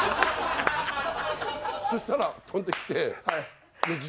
そしたら飛んできて。